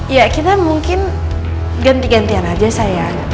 ya kita mungkin ganti gantian aja saya